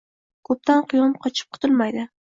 Ko‘pdan quyon qochib qutulmaydi